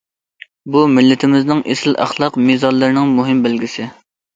بۇ مىللىتىمىزنىڭ ئېسىل ئەخلاق مىزانلىرىنىڭ مۇھىم بەلگىسى.